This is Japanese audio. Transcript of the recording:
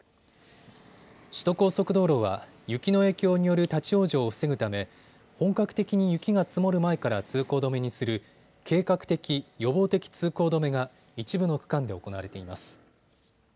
首都高速道路は雪の影響による立往生を防ぐため、本格的に雪が積もる前から通行止めにする計画的・予防的通行止めが一部の区間で行われています。